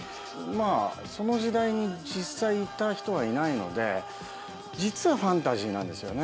まあその時代に実際いた人はいないので実はファンタジーなんですよね。